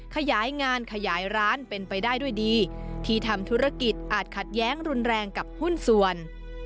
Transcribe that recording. ขยายงานขยายร้านเป็นไปได้ด้วยดีที่ทำธุรกิจอาจขัดแย้งรุนแรงกับหุ้นส่วน